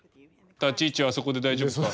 立ち位置はそこで大丈夫か？